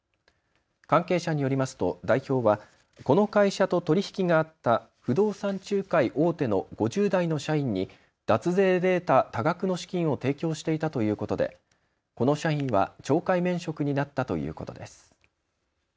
関係者によりますと代表はこの会社と取り引きがあった不動産仲介大手の５０代の社員に脱税で得た多額の資金を提供していたということで、この社員は懲戒免職になったということです。